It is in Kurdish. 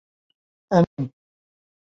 Em ê berhev nekin.